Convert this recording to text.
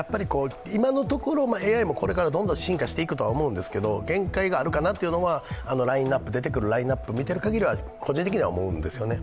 今のところ、ＡＩもこれからどんどん進化していくと思うんですけど、限界があるかなっていうのは出てくるラインナップ見てるかぎりは個人的には思うんですよね。